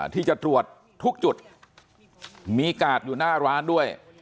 ที่จะตรวจทุกจุดมีกาดอยู่หน้าร้านด้วย